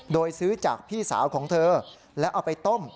โดยซื้อจากพี่สาวของเธอแล้วเอาไปต้ม